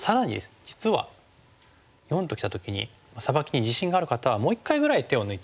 実は④ときた時にサバキに自信がある方はもう一回ぐらい手を抜いても。